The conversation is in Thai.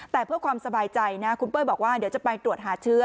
แต่เพื่อความสบายใจนะคุณเป้ยบอกว่าเดี๋ยวจะไปตรวจหาเชื้อ